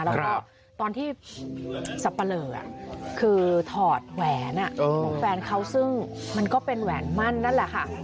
แล้วก็ตอนที่สับปะเลอคือถอดแหวนของแฟนเขาซึ่งมันก็เป็นแหวนมั่นนั่นแหละค่ะ